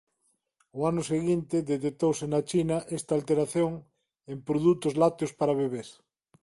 Ao ano seguinte detectouse na China esa alteración en produtos lácteos para bebés.